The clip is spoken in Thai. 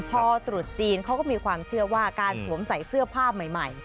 พอตรุษจีนเขาก็มีความเชื่อว่าการสวมใส่เสื้อผ้าใหม่